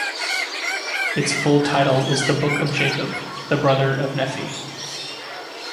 Its full title is The Book of Jacob: The Brother of Nephi.